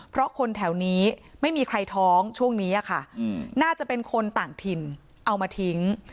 เพราะคนแถวนี้ไม่มีใครท้องช่วงนี้ค่ะน่าจะเป็นคนต่างถิ่นเอามาทิ้ง